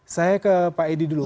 saya ke pak edi dulu